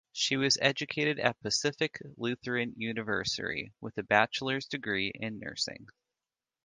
She was educated at Pacific Lutheran University with a bachelor's degree in nursing.